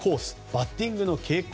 バッティングの傾向